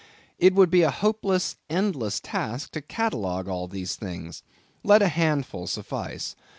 It would be a hopeless, endless task to catalogue all these things. Let a handful suffice.